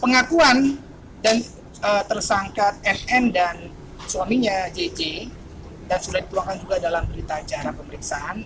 pengakuan dan tersangkat nunung dan suaminya jg dan sudah dituliskan juga dalam berita secara pemeriksaan